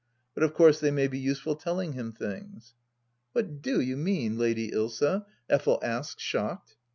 . But of course they may be useful telling him things. .,."" What do you mean. Lady Ilsa ?" Effel asked, shocked.